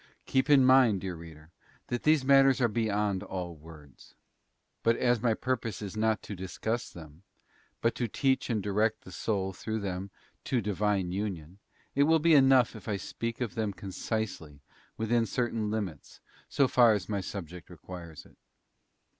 Keep in mind, my dear reader, that these matters are beyond all words. But as my purpose is not to discuss them, but to teach and direct the soul through them to the Divine union, it will be enough if I speak of them concisely within certain limits, so far as my subject requires it.